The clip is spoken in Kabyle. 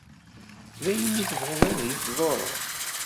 Daymi tebɣiḍ ad yi-tḍurreḍ?